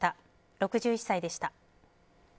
６１歳でした。